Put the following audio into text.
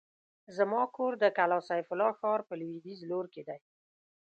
زما کور د کلا سيف الله ښار په لوېديځ لور کې دی.